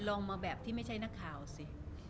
ลองมาแบบที่ไม่ใช่นักข่าวสิ